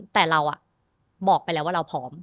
แต่เราบอกไปแล้วว่าเราพร้อม